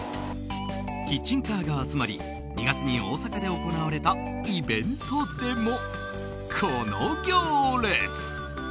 キッチンカーが集まり２月に大阪で行われたイベントでも、この行列。